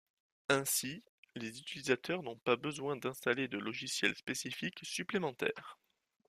Ainsi, les utilisateurs n'ont pas besoin d'installer de logiciels spécifiques supplémentaires.